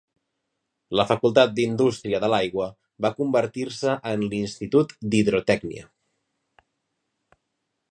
La facultat d'indústria de l'aigua va convertir-se en l'Institut d'Hidrotècnia.